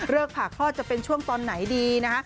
เริกผ่าพ่อจะเป็นช่วงตอนไหนดีนะ